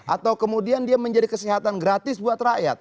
atau kemudian dia menjadi kesehatan gratis buat rakyat